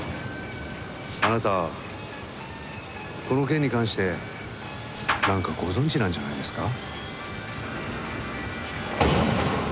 あなたはこの件に関して何かご存じなんじゃないですか？